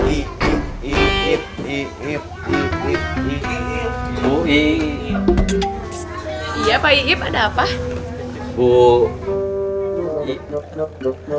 ip ada apa pak ip